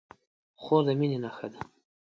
خور د مینې نښه ده.